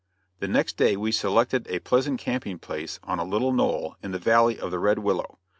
The next day we selected a pleasant camping place on a little knoll in the valley of the Red Willow.